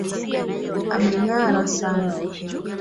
Ameng'ara sana